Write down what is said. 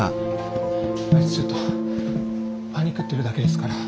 あいつちょっとパニクってるだけですから。